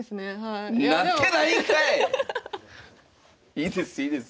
いいですいいです。